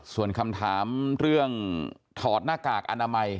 ส่วนคำถามเรื่องถอดหน้ากากอนามัย